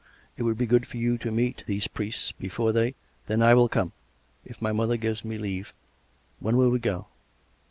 It would be good for you to meet these priests before they "" Then I will come, if my mother gives me leave. When will you go?